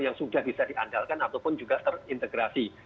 yang sudah bisa diandalkan ataupun juga terintegrasi